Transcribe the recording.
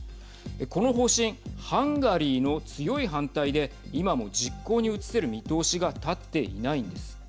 この方針ハンガリーの強い反対で今も実行に移せる見通しが立っていないんです。